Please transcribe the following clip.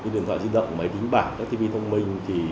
điện thoại di động máy tính bảng các tv thông minh